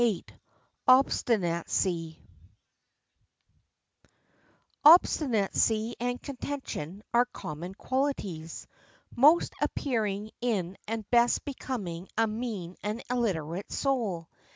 ] Obstinacy and contention are common qualities, most appearing in and best becoming a mean and illiterate soul.